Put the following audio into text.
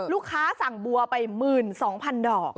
ลูกค้าสั่งบัวไป๑๒๐๐๐ดอก